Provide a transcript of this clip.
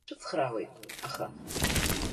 Сшәыцхраауеит, аха.